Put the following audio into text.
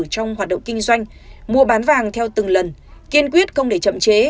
trong hoạt động kinh doanh mua bán vàng theo từng lần kiên quyết không để chậm chế